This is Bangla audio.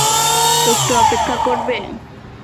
একটু অপেক্ষা করবে?